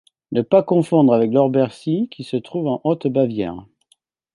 Ne pas confondre avec l'Obersee qui se trouve en haute Bavière.